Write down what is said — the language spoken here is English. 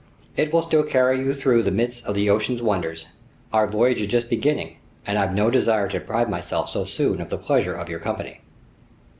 It will still carry you through the midst of the ocean's wonders. Our voyage is just beginning, and I've no desire to deprive myself so soon of the pleasure of your company."